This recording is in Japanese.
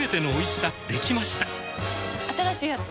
新しいやつ？